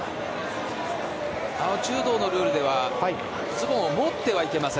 柔道のルールではズボンを持ってはいけません。